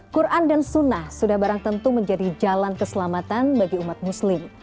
quran dan sunnah sudah barang tentu menjadi jalan keselamatan bagi umat muslim